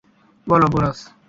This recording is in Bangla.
বল, পোরাস।